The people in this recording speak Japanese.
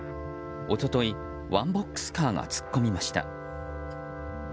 一昨日、ワンボックスカーが突っ込みました。